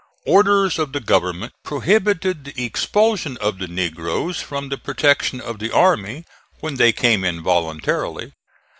Orders of the government prohibited the expulsion of the negroes from the protection of the army, when they came in voluntarily.